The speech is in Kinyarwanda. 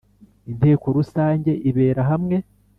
Inteko Rusange ibera hamwe.